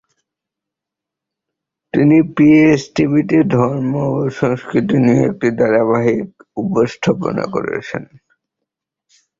তিনি প্রেস টিভিতে ধর্ম ও সংস্কৃতি নিয়ে একটি ধারাবাহিক উপস্থাপনা করেছেন।